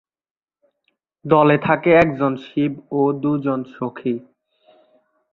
দলে থাকে একজন শিব ও দু'জন সখী।